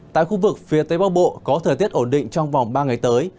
tại khu vực phía tây bắc bộ có thời tiết ổn định trong vòng ba ngày tới